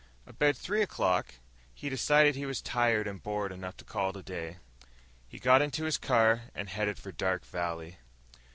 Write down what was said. About three o'clock, he decided he was tired and bored enough to call it a day. He got into his car and headed for Dark Valley.